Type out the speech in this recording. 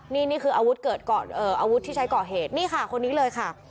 นี่นี่คืออาวุธเกิดก่อนอาวุธที่ใช้ก่อเหตุนี่ค่ะคนนี้เลยค่ะ